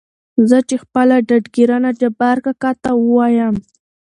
چې زه خپله ډاډګرنه جبار کاکا ته ووايم .